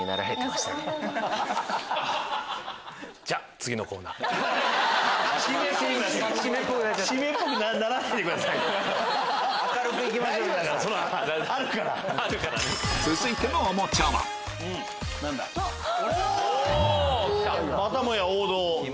またもや王道。